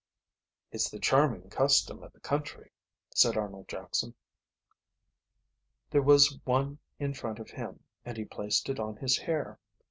"It's the charming custom of the country," said Arnold Jackson. There was one in front of him and he placed it on his hair.